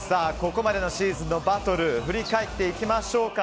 ここまでのシーズンのバトル振り返っていきましょう。